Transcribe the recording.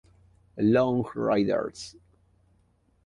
Long Riders!